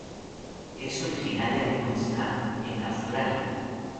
Es originaria de Queensland en Australia.